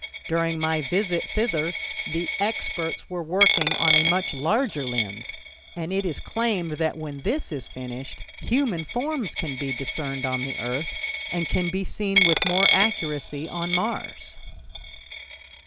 During my visit thither the experts were working on a much larger lens, and it is claimed that when this is finished human forms can be discerned on the Earth and can be seen with more accuracy on Mars.